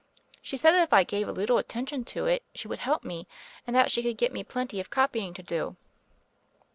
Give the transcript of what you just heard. She said that if I gave a little attention to it she would help me, and that she could get me plenty of copying to do."